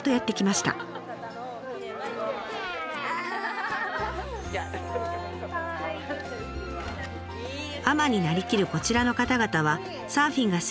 海女になりきるこちらの方々はサーフィンが好きで御宿に暮らす移住者。